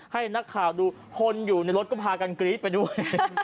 ให้นักข่าวดูคนอยู่ในรถก็พากันกรี๊ดไปด้วย